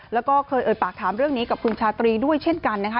แล้วก็เคยเอ่ยปากถามเรื่องนี้กับคุณชาตรีด้วยเช่นกันนะคะ